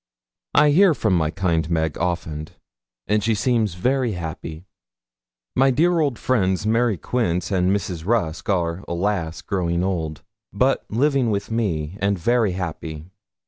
I hear from my kind Meg often, and she seems very happy. My dear old friends, Mary Quince and Mrs. Rusk, are, alas! growing old, but living with me, and very happy.